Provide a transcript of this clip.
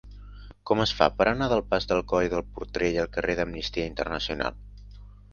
Com es fa per anar del pas del Coll del Portell al carrer d'Amnistia Internacional?